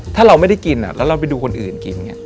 ถ้าเราไม่ได้กินแล้วเราไปดูคนอื่นกิน